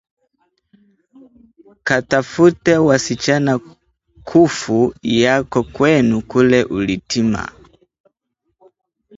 Katafute wasichana kufu yako kwenu kule Ulitima